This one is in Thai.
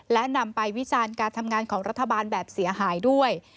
และนำไปวิจารณ์การทำงานของรัฐบาลแบบเสียหายด้วย